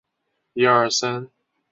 但是后来遭到废弃。